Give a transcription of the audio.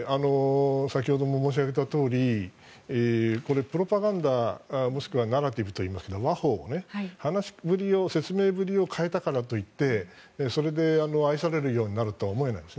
先ほども申し上げたとおりプロパガンダまたナラティブといいますが話法、話しぶりを変えたからと言って愛されるようになるとは思えないんです。